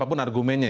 apapun argumennya ya